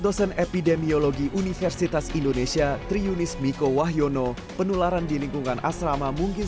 dosen epidemiologi universitas indonesia triunis miko wahyono penularan di lingkungan asrama mungkin